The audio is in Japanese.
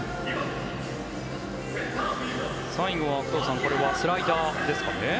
最後は工藤さんこれはスライダーですかね。